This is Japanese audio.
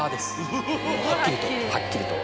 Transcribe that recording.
はっきりと。